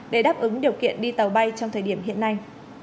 để đáp ứng điều kiện đi tàu bay trong thời điểm hiện nay